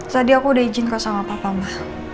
tadi aku udah izin ke sama papa ma